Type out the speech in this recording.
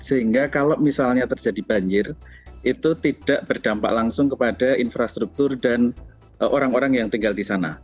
sehingga kalau misalnya terjadi banjir itu tidak berdampak langsung kepada infrastruktur dan orang orang yang tinggal di sana